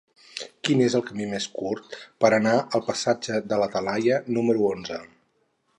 Quin és el camí més curt per anar al passatge de la Talaia número onze?